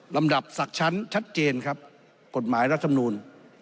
ลำดับศักดิ์ชั้นชัดเจนครับกฎหมายรัฐมนูล